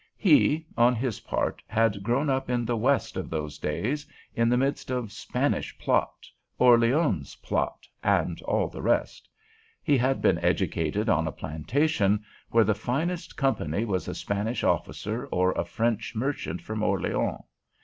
He, on his part, had grown up in the West of those days, in the midst of "Spanish plot," "Orleans plot," and all the rest. He had been educated on a plantation where the finest company was a Spanish officer or a French merchant from Orleans.